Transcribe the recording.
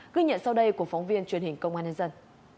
ghi nhận sau đây của phóng viên truyền hình công an nhân dân